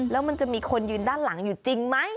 แล้วมันจะมีคนยืนด้านหลังอยู่จริงไหม